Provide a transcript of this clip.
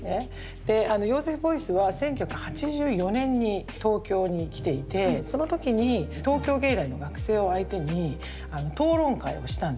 でヨーゼフ・ボイスは１９８４年に東京に来ていてその時に東京藝大の学生を相手に討論会をしたんですよ。